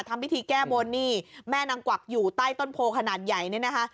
ทำพิธีแก้บนนี่แม่นางกวักอยู่ใต้ต้นโพขนาดใหญ่เนี่ยนะคะ